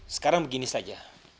sekarang begini saja